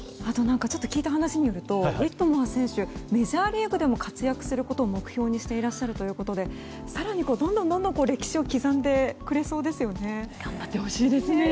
聞いた話によるとウィットモア選手はメジャーリーグでも活躍することを目標にしていらっしゃるということで更にどんどん歴史を刻んでくれそうですよね。